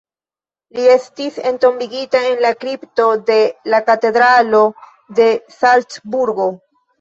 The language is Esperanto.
Li estis entombigita en la kripto de la Katedralo de Salcburgo.